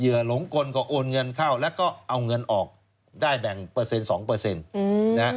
เหยื่อหลงกลก็โอนเงินเข้าแล้วก็เอาเงินออกได้แบ่งเปอร์เซ็นต์๒นะฮะ